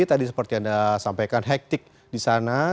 jadi tadi seperti anda sampaikan hektik di sana